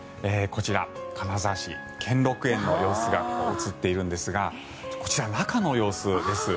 こちら、金沢市・兼六園の様子が映っているんですがこちら、中の様子です。